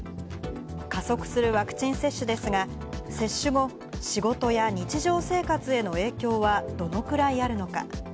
加速するワクチン接種ですが、接種後、仕事や日常生活への影響はどのくらいあるのか。